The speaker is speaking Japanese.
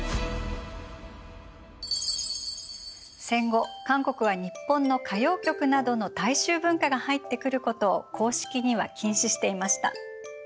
戦後韓国は日本の歌謡曲などの大衆文化が入ってくることを公式には禁止していました。